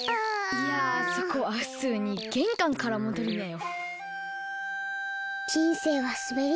いやそこはふつうにげんかんからもどりなよ。